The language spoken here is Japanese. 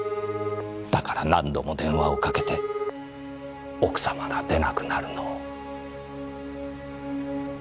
だから何度も電話をかけて奥様が出なくなるのを待った。